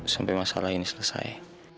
sampai masalah ini selesai